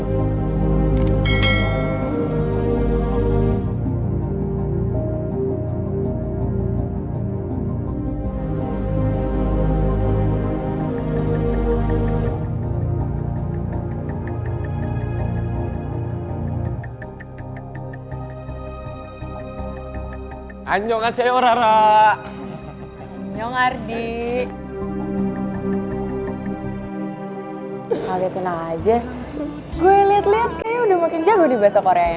gue liat liat kayaknya udah makin jago di bahasa koreanya